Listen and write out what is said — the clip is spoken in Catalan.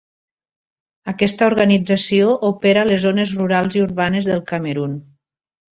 Aquesta organització opera a les zones rurals i urbanes del Camerun.